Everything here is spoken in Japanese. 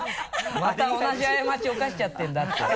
また同じ過ちを犯しちゃってるんだって。